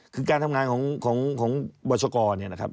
คือการทำงานของบรชกรเนี่ยนะครับ